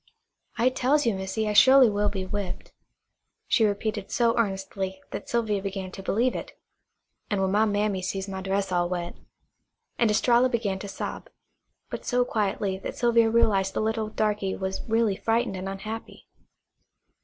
"I tells you, Missy, I su'ly will be whipped," she repeated so earnestly that Sylvia began to believe it. "An' when my mammy sees my dress all wet " and Estralla began to sob, but so quietly that Sylvia realized the little darky was really frightened and unhappy.